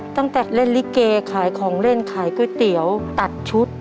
ตั้งแต่เล่นลิเกขายของเล่นขายก๋วยเตี๋ยวตัดชุด